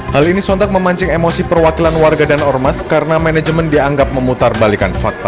hal ini sontak memancing emosi perwakilan warga dan ormas karena manajemen dianggap memutar balikan fakta